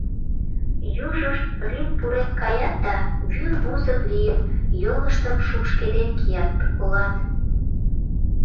Южышт рӱп пурен каят да, вӱр вузык лийын, йолыштым шупшкеден кият, колат.